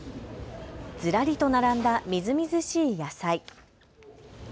ずらりと並んだみずみずしい野菜。